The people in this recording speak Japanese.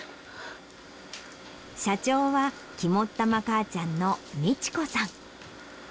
社長は肝っ玉母ちゃんの満子さん。